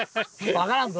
分からんぞ。